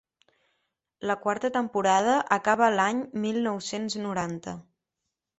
La quarta temporada acaba l’any mil nou-cents noranta.